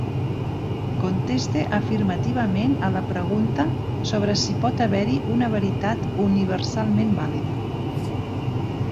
Conteste afirmativament a la pregunta sobre si pot haver-hi una veritat universalment vàlida.